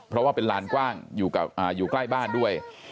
เพราะว่าเป็นลานกว้างอยู่ใกล้บ้านด้วย